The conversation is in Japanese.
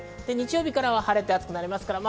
日曜日からは晴れて暑くなりますから。